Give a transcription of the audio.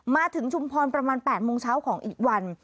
ชุมพรประมาณ๘โมงเช้าของอีกวัน